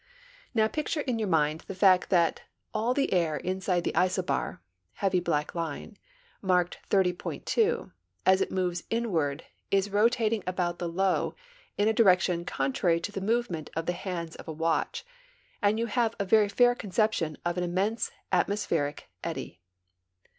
Now picture in your mind the fact that all the air inside the isobar (heavy black line) marked 30.2, as it moves inward is ro 74 STORMS AND WEA THER FORECASTS tilting about the low in a direction contrary to tlie movement of the hands of a watch and you have a very fair conception of an immense atmospheric eddy.